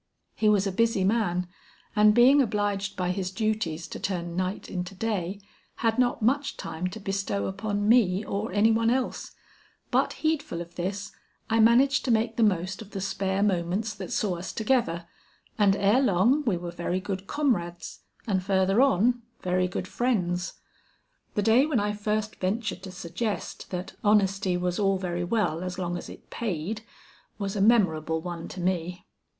He was a busy man, and being obliged by his duties to turn night into day, had not much time to bestow upon me or any one else; but heedful of this, I managed to make the most of the spare moments that saw us together, and ere long we were very good comrades, and further on, very good friends. The day when I first ventured to suggest that honesty was all very well as long as it paid, was a memorable one to me.